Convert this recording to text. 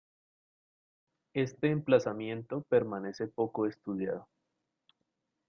Este emplazamiento permanece poco estudiado.